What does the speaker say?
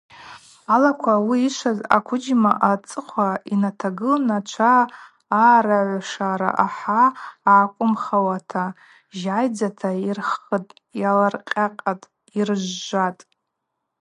Алаква ауи йшваз аквыджьма ацӏыхъва йнатагылын ачва аъарагӏвшара ахӏа гӏаквымхахуата жьайдзата йырххытӏ, йаларкъакътӏ, йыржвжватӏ.